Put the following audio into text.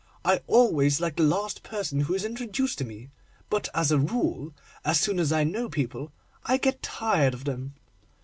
I always like the last person who is introduced to me; but, as a rule, as soon as I know people I get tired of them.